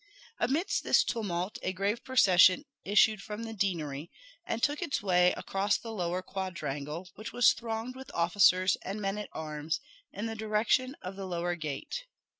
Amidst this tumult a grave procession issued from the deanery, and took its way across the lower quadrangle, which was thronged with officers and men at arms, in the direction of the lower gate.